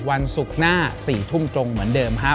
วันศุกร์หน้า๔ทุ่มตรงเหมือนเดิมครับ